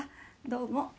どうも。